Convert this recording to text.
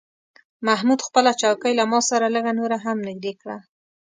محمود خپله چوکۍ له ما سره لږه نوره هم نږدې کړه.